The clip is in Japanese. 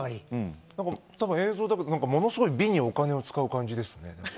映像だとものすごい美にお金を使う感じですね。